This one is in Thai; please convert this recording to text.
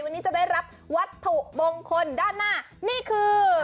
วันนี้จะได้รับวัตถุมงคลด้านหน้านี่คือ